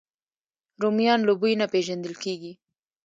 رومیان له بوی نه پېژندل کېږي